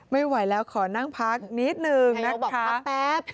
ไม่ไหวแล้วขอนั่งพักนิดนึงนะครับ